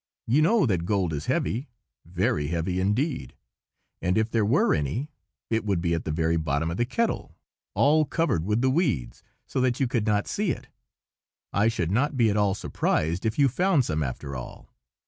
You know that gold is heavy, very heavy indeed, and if there were any it would be at the very bottom of the kettle, all covered with the weeds, so that you could not see it. I should not be at all surprised if you found some, after all.